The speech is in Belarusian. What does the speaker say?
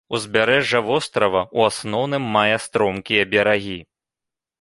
Узбярэжжа вострава ў асноўным мае стромкія берагі.